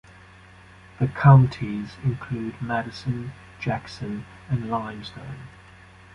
The counties include Madison, Jackson, and Limestone.